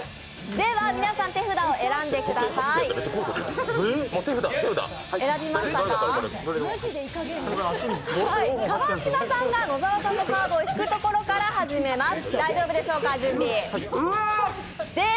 では皆さん、手札を選んでください川島さんが野澤さんのカードを引くところから始めます。